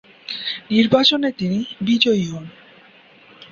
নির্বাচনে তিনি বিজয়ী হন।